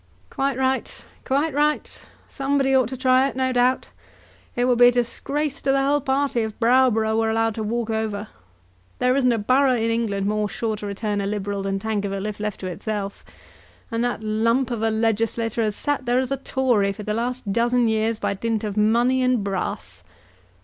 "Quite right; quite right. Somebody ought to try it, no doubt. It would be a disgrace to the whole party if Browborough were allowed to walk over. There isn't a borough in England more sure to return a Liberal than Tankerville if left to itself. And yet that lump of a legislator has sat there as a Tory for the last dozen years by dint of money and brass."